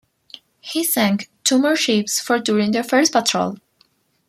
He sank two more ships for during the first patrol.